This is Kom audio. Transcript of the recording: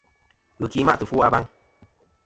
Ghɨki ma'tɨ ɨfwo a baŋ.